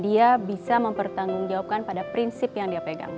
dia bisa mempertanggungjawabkan pada prinsip yang dia pegang